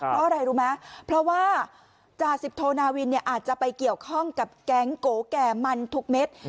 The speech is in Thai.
เพราะอะไรรู้ไหมเพราะว่าจ่าสิบโทนาวินเนี่ยอาจจะไปเกี่ยวข้องกับแก๊งโกแก่มันทุกเม็ด